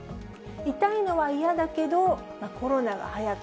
痛いのは嫌だけど、コロナが早く